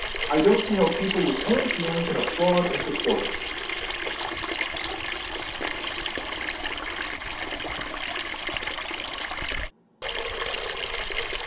I don't see how people with any feeling can applaud and support it."